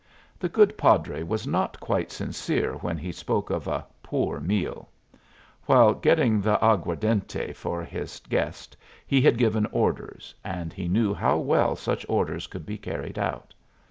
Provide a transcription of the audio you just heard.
The good padre was not quite sincere when he spoke of a poor meal. While getting the aguardiente for his guest he had given orders, and he knew how well such orders could be carried out.